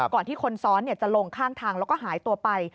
ก่อนที่คนซ้อนจะลงข้างทางแล้วก็หายตัวไป